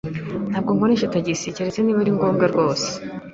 Ntabwo nkoresha tagisi keretse niba ari ngombwa rwose.